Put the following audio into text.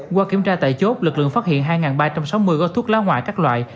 qua kiểm tra tại chốt lực lượng phát hiện hai ba trăm sáu mươi gói thuốc lá ngoại các loại